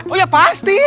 oh ya pasti